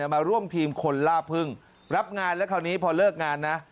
มาร่วมทีมคนล่าพึ่งรับงานแล้วคราวนี้พอเลิกงานนะ